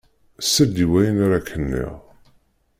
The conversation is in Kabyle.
Sel-d i wayen ara k-niɣ.